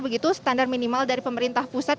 begitu standar minimal dari pemerintah pusat